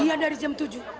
iya dari jam tujuh